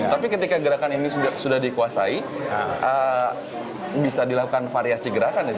tapi ketika gerakan ini sudah dikuasai bisa dilakukan variasi gerakan ya